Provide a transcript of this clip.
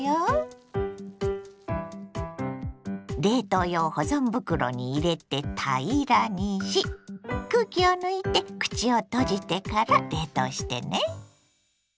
冷凍用保存袋に入れて平らにし空気を抜いて口を閉じてから冷凍してね。